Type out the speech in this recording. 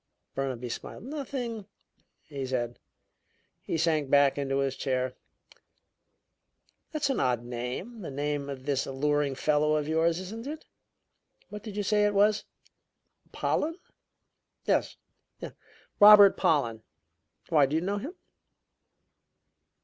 Burnaby smiled. "Nothing," he said. He sank back into his chair. "That's an odd name the name of this alluring fellow of yours, isn't it? What did you say it was Pollen?" "Yes. Robert Pollen. Why, do you know him?"